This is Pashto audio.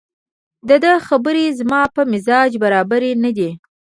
دده خبرې زما په مزاج برابرې نه دي